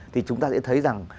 thì chúng ta sẽ thấy rằng